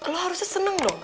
lo harusnya seneng dong